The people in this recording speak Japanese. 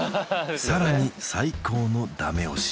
さらに最高のダメ押し